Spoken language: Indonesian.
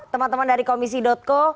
teman teman dari komisi co